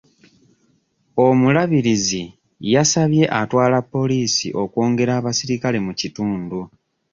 Omulabirizi yasabye atwala poliisi okwongera abaserikale mu kitundu.